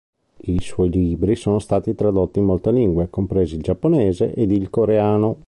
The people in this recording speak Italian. I suoi libri sono tradotti in molte lingue, compresi il giapponese ed il coreano.